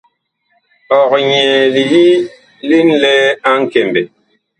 Ɔg nyɛɛ liyi ŋlɛɛ a Nkɛmbɛ.